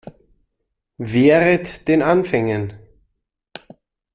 Wehret den Anfängen!